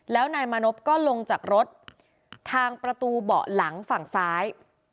แล้วนายมานพก็ลงจากรถทางประตูเบาะหลังฝั่งซ้าย